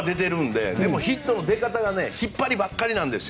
でも、ヒットの出方が引っ張りばっかりなんです。